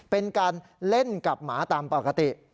เป็นการเล่นกับหมาตามปกติ